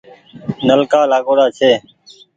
نلڪآ لآگوڙآ ڇي